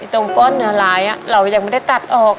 ตรงก้อนเหนือหลายเรายังไม่ได้ตัดออก